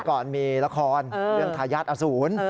ก่อนมีละครเรื่องทายาทอสูร